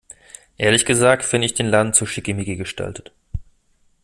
Ehrlich gesagt finde ich den Laden zu schickimicki gestaltet.